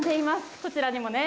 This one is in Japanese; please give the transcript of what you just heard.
こちらにもね。